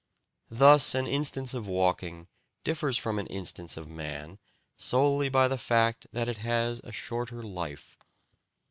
Thus an instance of walking differs from an instance of man solely by the fact that it has a shorter life.